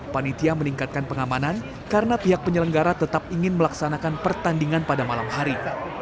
panitia meningkatkan pengamanan karena pihak penyelenggara tetap ingin melaksanakan pertandingan pada malam hari